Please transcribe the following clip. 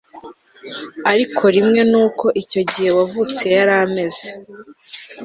ariko kimwe n uko icyo gihe uwavutse yari ameze